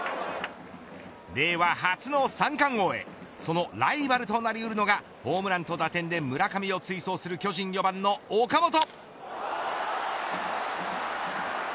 令和初の三冠王へそのライバルとなり得るのがホームランと打点で村上を追走する巨人４番の岡本。